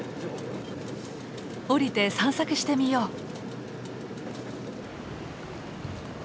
降りて散策してみよう。